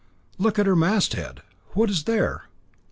"Look at her masthead. What is there?"